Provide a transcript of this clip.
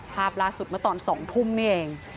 ภาพล่าสุดเมื่อตอน๒ทุ่มนี่เอง